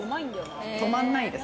止まんないです。